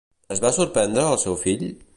Es va sorprendre el seu fill?